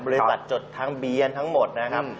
บริษัทจดทางเบียนทั้งหมดนะครับ